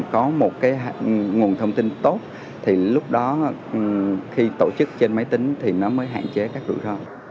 có một nguồn thông tin tốt thì lúc đó khi tổ chức trên máy tính thì nó mới hạn chế các rủi ro